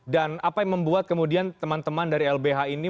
apa yang membuat kemudian teman teman dari lbh ini